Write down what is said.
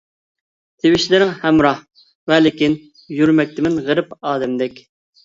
تىۋىشلىرىڭ ھەمراھ ۋە لېكىن، يۈرمەكتىمەن غېرىب ئادەمدەك.